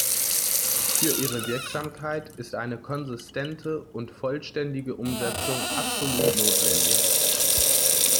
Für ihre Wirksamkeit ist eine konsistente und vollständige Umsetzung absolut notwendig.